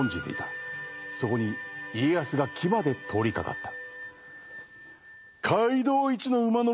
そこに家康が騎馬で通りかかった。